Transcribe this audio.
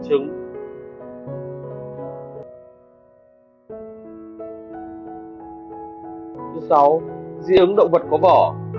thứ sáu dị ứng động vật có vỏ